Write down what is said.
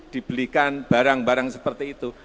dibelikan barang barang seperti itu